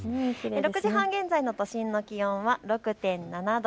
６時半現在の都心の気温は６．７度。